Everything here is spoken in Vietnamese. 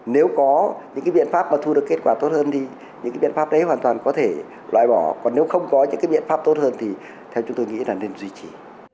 nếu có những biện pháp mà thu được kết quả tốt hơn thì những biện pháp đấy hoàn toàn có thể loại bỏ còn nếu không có những biện pháp tốt hơn thì theo chúng tôi nghĩ là nên duy trì